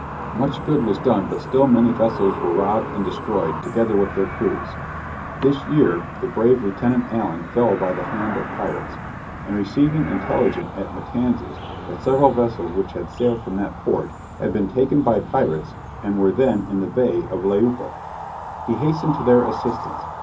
Much good was done but still many vessels were robbed and destroyed, together with their crews. This year the brave Lieutenant Allen fell by the hand of pirates; he was in the United States schooner Alligator, and receiving intelligence at Matanzas, that several vessels which had sailed from that port, had been taken by the pirates, and were then in the bay of Lejuapo. He hastened to their assistance.